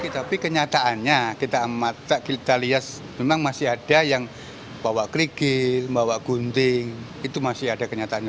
tapi kenyataannya kita lihat memang masih ada yang bawa kerikil bawa gunting itu masih ada kenyataannya